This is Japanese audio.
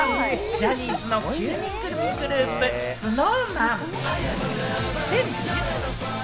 ジャニーズの９人組グループ・ＳｎｏｗＭａｎ。